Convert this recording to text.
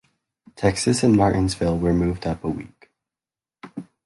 Texas and Martinsville were moved up a week.